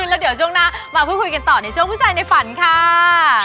แล้วเดี๋ยวช่วงหน้ามาพูดคุยกันต่อในช่วงผู้ชายในฝันค่ะ